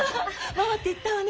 ママって言ったわね？